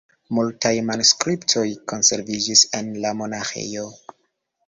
Multaj manuskriptoj konserviĝis en la monaĥejo.